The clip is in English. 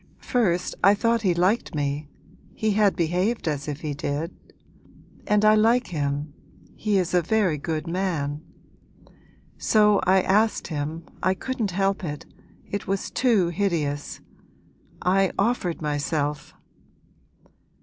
First I thought he liked me, he had behaved as if he did. And I like him, he is a very good man. So I asked him, I couldn't help it, it was too hideous I offered myself!'